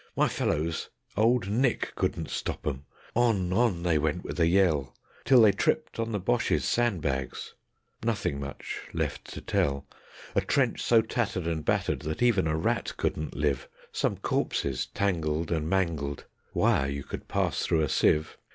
My fellows Old Nick couldn't stop 'em. On, on they went with a yell, Till they tripped on the Boches' sand bags, nothing much left to tell: A trench so tattered and battered that even a rat couldn't live; Some corpses tangled and mangled, wire you could pass through a sieve.